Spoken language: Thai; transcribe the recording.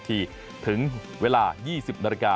ถึงเวลา๒๐น